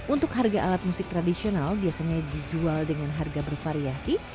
untuk harga alat musik tradisional biasanya dijual dengan harga bervariasi